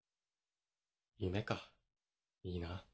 夢かいいな。